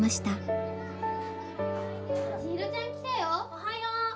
おはよう。